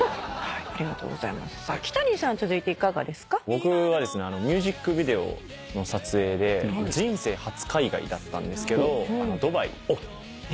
僕はですねミュージックビデオの撮影で人生初海外だったんですけどドバイに。